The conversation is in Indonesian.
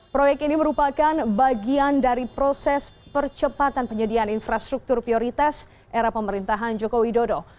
proyek ini merupakan bagian dari proses percepatan penyediaan infrastruktur prioritas era pemerintahan joko widodo